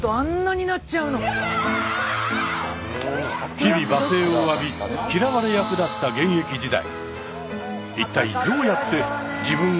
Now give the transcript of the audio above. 日々罵声を浴び嫌われ役だった現役時代。